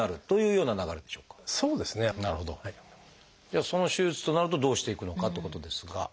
じゃあその手術となるとどうしていくのかっていうことですが。